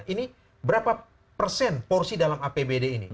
ini berapa persen porsi dalam apbd ini